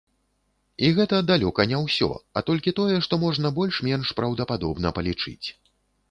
І гэта далёка не ўсё, а толькі тое, што можна больш-менш праўдападобна палічыць.